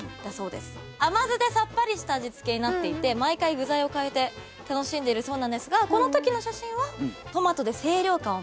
甘酢でさっぱりした味付けになっていて毎回具材をかえて楽しんでいるそうなんですがこのときの写真はトマトで清涼感をプラスした。